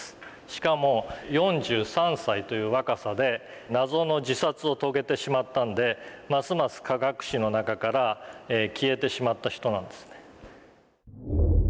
しかも４３歳という若さで謎の自殺を遂げてしまったんでますます科学史の中から消えてしまった人なんですね。